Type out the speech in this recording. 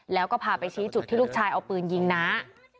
แล้วก็พาไปชี้จุดที่ลูกชายเอาปืนยิงน้า